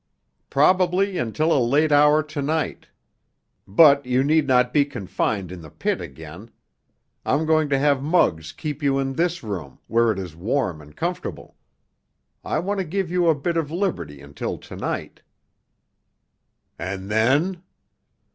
"Probably until a late hour to night. But you need not be confined in the pit again. I'm going to have Muggs keep you in this room, where it is warm and comfortable. I want to give you a bit of liberty until to night." "And then?"